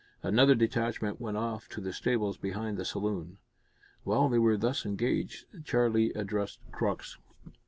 Another detachment went off to the stables behind the saloon. While they were thus engaged, Charlie addressed Crux.